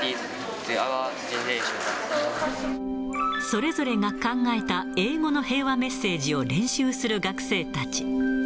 それぞれが考えた英語の平和メッセージを練習する学生たち。